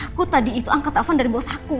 aku tadi itu angkat afan dari bos aku